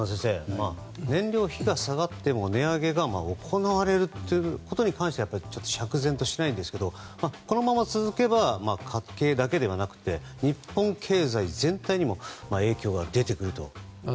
燃料費が下がっても値上げが行われるということはやっぱりちょっと釈然としないんですがこのまま続けば家計だけではなくて日本経済全体にも影響が出てくると。